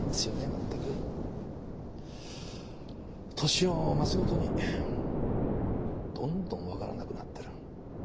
年を増すごとにどんどん分からなくなってる。